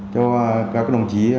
cho các đồng chí